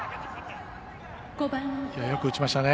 よく打ちましたね。